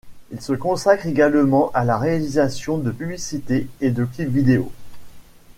Il se consacre également à la réalisation de publicités et de clips vidéos.